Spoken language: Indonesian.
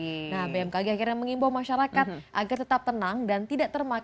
nah bmkg akhirnya mengimbau masyarakat agar tetap tenang dan tidak termakan